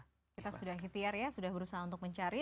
kita sudah hitiar ya sudah berusaha untuk mencari